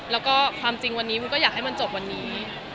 แล้วก็ความจริงวันนี้มันก็อยากให้มันจบวันนี้